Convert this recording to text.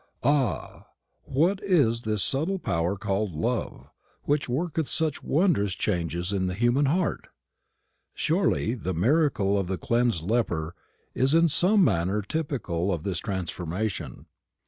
Ah! what is this subtle power called love, which worketh such wondrous changes in the human heart? Surely the miracle of the cleansed leper is in some manner typical of this transformation.